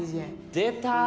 出た！